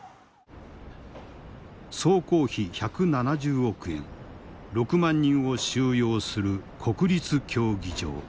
総工費１７０億円６万人を収容する国立競技場。